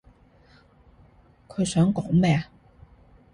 佢想講咩？